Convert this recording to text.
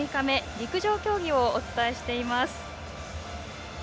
陸上競技をお伝えしています。